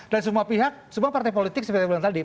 dan semua pihak semua partai politik seperti yang tadi